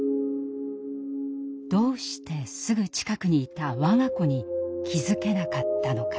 どうしてすぐ近くにいた我が子に気付けなかったのか。